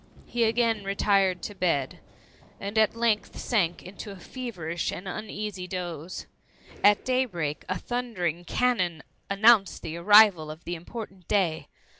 He again retired to bed, and at length sank into a feverish and uneasy dose. At daybreak, a thundering of cannon announced the arrival of the important day.